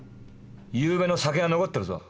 ゆうべの酒が残ってるぞ。